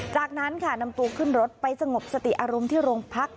จากนั้นค่ะนำตัวขึ้นรถไปสงบสติอารมณ์ที่โรงพัก